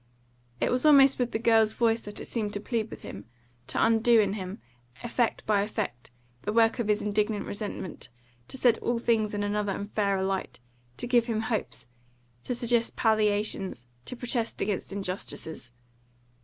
It was almost with the girl's voice that it seemed to plead with him, to undo in him, effect by effect, the work of his indignant resentment, to set all things in another and fairer light, to give him hopes, to suggest palliations, to protest against injustices.